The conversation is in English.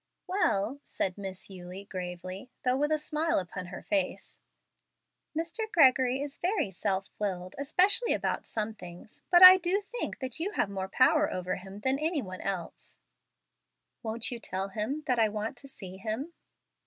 "Well," said Miss Eulie, gravely, though with a smile upon her face, "Mr. Gregory is very self willed, especially about some things, but I do think that you have more power over him than any one else." "Won't you tell him that I want to see him?"